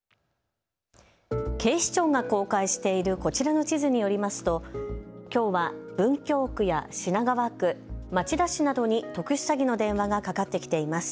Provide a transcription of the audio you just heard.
警視庁が公開しているこちらの地図によりますときょうは文京区や品川区、町田市などに特殊詐欺の電話がかかってきています。